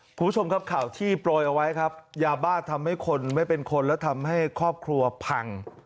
คุณผู้ชมครับข่าวที่โปรยเอาไว้ครับยาบ้าทำให้คนไม่เป็นคนและทำให้ครอบครัวพัง